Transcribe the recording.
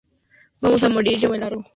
Vamos a morir. Yo me largo.